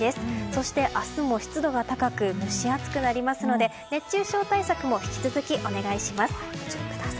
そして、明日も湿度が高く蒸し暑くなりますので熱中症対策も引き続きお願いします。